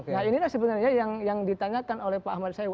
nah inilah sebenarnya yang ditanyakan oleh pak ahmad said